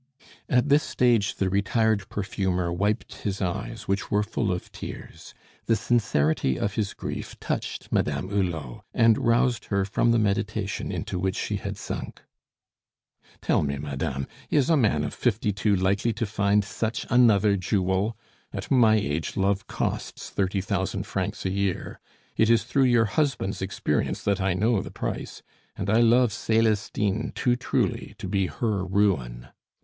At this stage the retired perfumer wiped his eyes, which were full of tears. The sincerity of his grief touched Madame Hulot, and roused her from the meditation into which she had sunk. "Tell me, madame, is a man of fifty two likely to find such another jewel? At my age love costs thirty thousand francs a year. It is through your husband's experience that I know the price, and I love Celestine too truly to be her ruin.